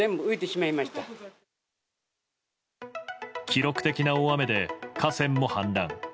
記録的な大雨で河川も氾濫。